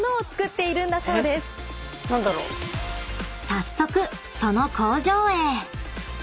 ［早速その工場へ］